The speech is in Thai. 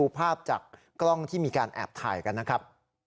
ภาพจากกล้องที่มีการแอบถ่ายกันนะครับ